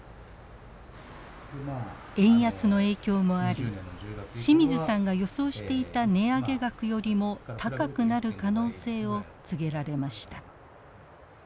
円安の影響もあり清水さんが予想していた値上げ額よりも高くなる可能性を告げられました。